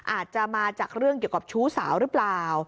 อาจจะมาจากเรื่องเกี่ยวกับชู้สาวหรือเปล่า